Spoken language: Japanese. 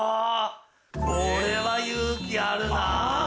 これは勇気あるな。